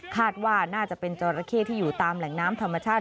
คาดว่าน่าจะเป็นจราเข้ที่อยู่ตามแหล่งน้ำธรรมชาติ